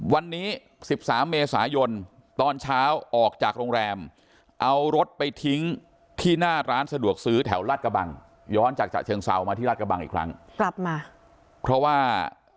วันนี้๑๓เมษายนตอนเช้าออกจากโรงแรมเอารถไปทิ้งที่หน้าร้านสะดวกซื้อแถวลาดกระบังย้อนจากฉะเชิงเซามาที่ราชกระบังอีกครั้งกลับมาเพราะว่า